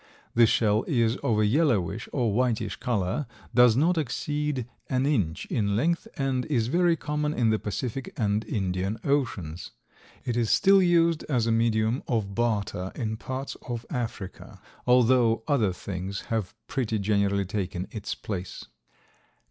The shell is of a yellowish or whitish color, does not exceed an inch in length, and is very common in the Pacific and Indian Oceans. It is still used as a medium of barter in parts of Africa, although other things have pretty generally taken its place.